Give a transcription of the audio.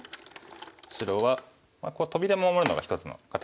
白はトビで守るのが一つの形なんですね。